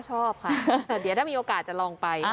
ชอบค่ะเดี๋ยวถ้ามีโอกาสจะลองไป